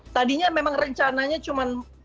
tadinya memang rencananya cuman